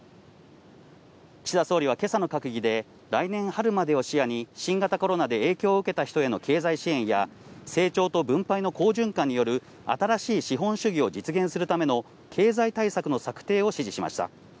岸田総理は今朝の閣議で来年春までを視野に新型コロナで影響を受けた人への経済支援や、成長と分配の好循環による新しい資本主義を実現するための経済対策の策定を指示しました。